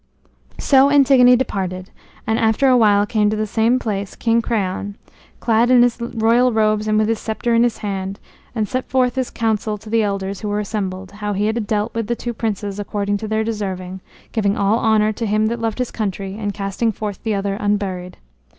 So Antigone departed; and after a while came to the same place King Creon, clad in his royal robes and with his scepter in his hand, and set forth his counsel to the elders who were assembled, how he had dealt with the two princes according to their deserving, giving all honor to him that loved his country and casting forth the other unburied.